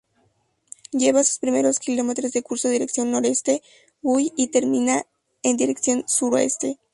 Lleva en sus primeros kilómetros de curso dirección noroeste uy termina en dirección suroeste.